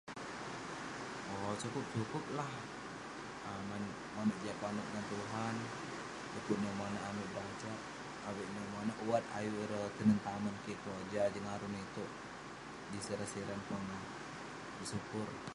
Owk..sukup sukup lah..monak jiak konep ngan tuhan..du'kuk neh monak amik berajak, avik neh monak wat ayuk ireh tinen tamen kik keroja jengarun itouk..jin siran siran pongah..bersyukur..